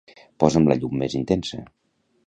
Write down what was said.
Posa'm la llum més intensa.